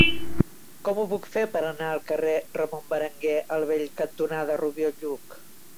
Com ho puc fer per anar al carrer Ramon Berenguer el Vell cantonada Rubió i Lluch?